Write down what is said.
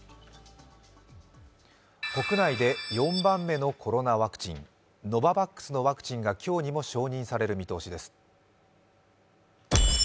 国内で４番目のコロナワクチン、ノババックスのワクチンが今日にも承認される見通しです。